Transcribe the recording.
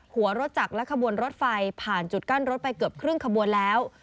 หัวรถจักรและขบวนรถไฟผ่านจุดกั้นรถไปเกือบครึ่งขบวนแล้ว